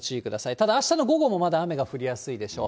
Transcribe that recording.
ただあしたの午後もまだ雨が降りやすいでしょう。